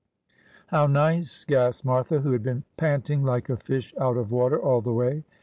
' How nice !' gasped Martha, who had been panting like a fish out of water all the way.